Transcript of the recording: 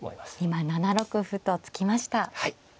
今７六歩と突きました。